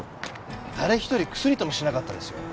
誰一人クスリともしなかったですよ。